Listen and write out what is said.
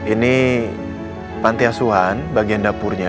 ini pantai asuhan bagian dapurnya